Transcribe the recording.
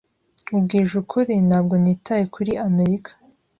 Nkubwije ukuri, ntabwo nitaye kuri Amerika.